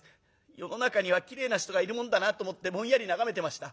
世の中にはきれいな人がいるもんだなと思ってぼんやり眺めてました。